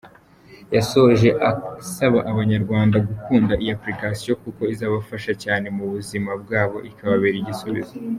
Yasoje asaba abanyarwanda gukunda iyi Application, kuko izabafasha cyane mu buzima bwabo ikababera igisubizo.